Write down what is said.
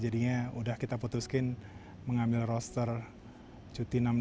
jadinya udah kita putuskan mengambil roster cuti enam